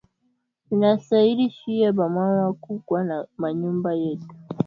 Tunastaili shiye ba mama kukwa na ma nyumba yetu